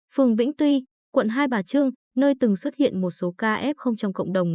phường vĩnh tuy quận hai bà trưng nơi từng xuất hiện một số ca f trong cộng đồng